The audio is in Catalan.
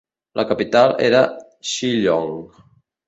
La capital era Shillong.